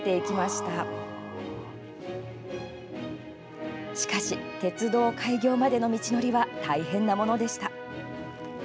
しかし、鉄道開業までの道のりは大変なものでした。